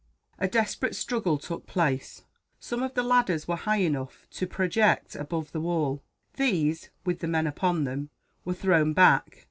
A desperate struggle took place. Some of the ladders were high enough to project above the wall. These, with the men upon them, were thrown back.